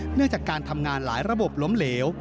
เนื่องจากการทำงานหลายระบบล้มเหลว